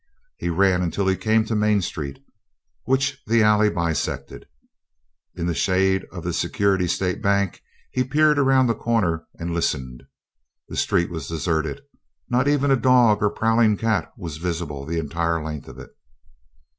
He ran until he came to Main Street, which the alley bisected. In the shade of the Security State Bank he peered around the corner and listened. The street was deserted, not even a dog or prowling cat was visible the entire length of it.